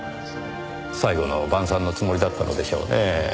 最後の晩餐のつもりだったのでしょうねぇ。